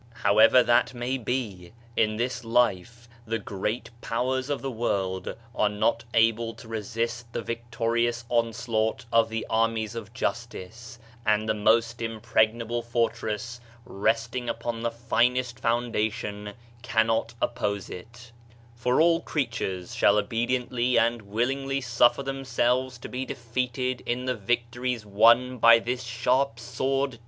However that may be, in this life the great powers of the world arc not able to resist the vic torious onslaught of the armies of justice: and the most impregnable fortress, resting upon the finest foundation, cannot oppose it For all creatures shall obediently and willingly suffer themselves to be defeated in die victories won by this sharp sword.